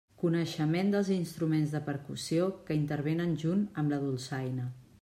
Coneixement dels instruments de percussió que intervenen junt amb la dolçaina.